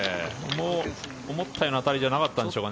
思ったような当たりじゃなかったんですかね。